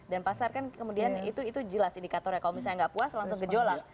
dan pasar kan kemudian itu jelas indikatornya kalau misalnya nggak puas langsung kejolak